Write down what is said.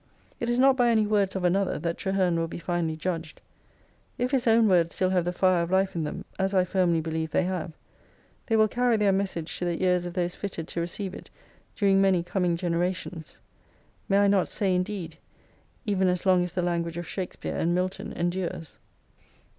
It is not by any words of another that Traherne will be finally judged. If his own words still have the fire of life in them — as I firmly believe they have — they will carry their message to the ears of those fitted to receive it during many coming generations : may I not say indeed even as long as the language of Shakespeare and Milton endures